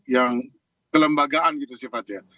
yang kelembagaan gitu sifatnya